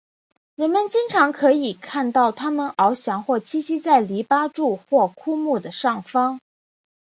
人们经常可以看到它们翱翔或栖息在篱笆桩或枯木的上方。